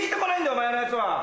お前のやつは！